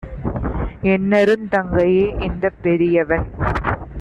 "என்னருந் தங்கையே இந்தப் பெரியவன்